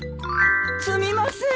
すみません！